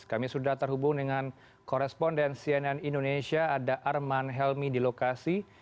kami sudah terhubung dengan koresponden cnn indonesia ada arman helmi di lokasi